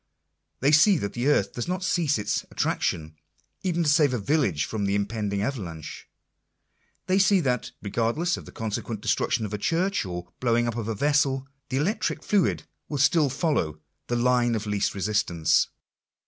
They see that the earth does not cease its attraction, even to save a village from the impend ing avalanche. They see that, regardless of the consequent destruction of a church, or blowing up of a vessel, the electric fluid will still follow " the line of least resistance."